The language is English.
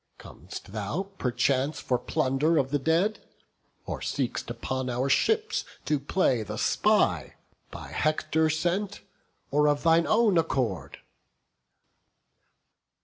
Com'st thou perchance for plunder of the dead? Or seek'st upon our ships to play the spy, By Hector sent? or of thine own accord?"